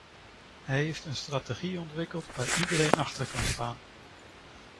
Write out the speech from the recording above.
Hij heeft een strategie ontwikkeld waar iedereen achter kan staan.